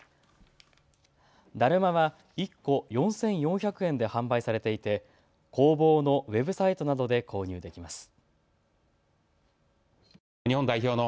だるまは１個４４００円で販売されていて工房のウェブサイトなどで購入できます。